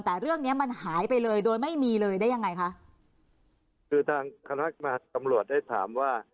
แต่เรื่องเนี้ยมันหายไปเลยโดยไม่มีเลยได้ยังไงคะคือทางคณะตำรวจได้ถามว่า